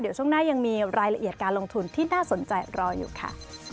เดี๋ยวช่วงหน้ายังมีรายละเอียดการลงทุนที่น่าสนใจรออยู่ค่ะ